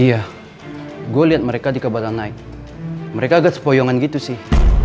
iya gue lihat mereka di cabana night mereka agak sepoyongan gitu sih